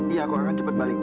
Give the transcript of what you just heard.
iya aku akan cepat balik